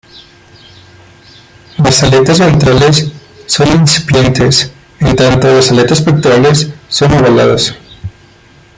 Las aletas ventrales son incipientes, en tanto las aletas pectorales son ovaladas.